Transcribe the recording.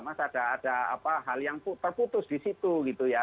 mas ada hal yang terputus di situ gitu ya